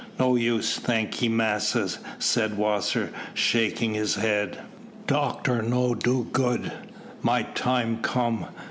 "No use, thank ye, massas," said Wasser, shaking his head. "Doctor no do good. My time come.